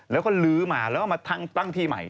แล้วก็ลื้อมาแล้วก็มาตั้งที่ใหม่